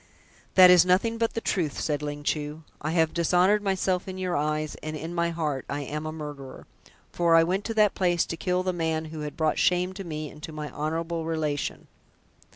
"That is nothing but the truth," said Ling Chu. "I have dishonoured myself in your eyes, and in my heart I am a murderer, for I went to that place to kill the man who had brought shame to me and to my honourable relation."